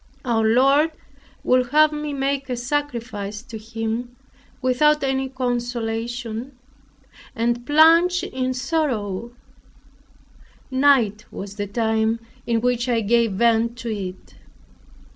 Our Lord would have me make a sacrifice to Him, without any consolation, and plunged in sorrow, night was the time in which I gave vent to it.